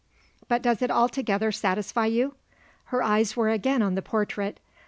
"But does it altogether satisfy you?" Her eyes were again on the portrait.